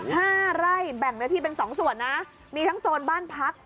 ห้าไร่แบ่งเนื้อที่เป็นสองส่วนนะมีทั้งโซนบ้านพัก